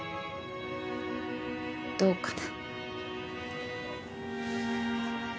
どうかな？